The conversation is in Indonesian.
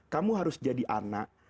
kamu harus jadi anak